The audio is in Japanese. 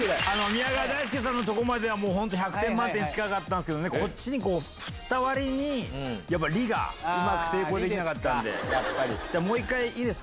宮川大輔さんのとこまではもう本当１００点満点に近かったんですけどね、こっちにこう振ったわりにやっぱり、りがうまく成功できなかったんで。